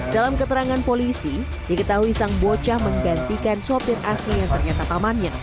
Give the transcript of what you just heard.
dalam keterangan polisi diketahui sang bocah menggantikan sopir asli yang ternyata pamannya